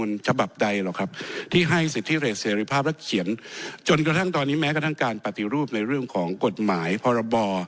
เรื่องการปฏิรูปในเรื่องของกฎหมายพรบ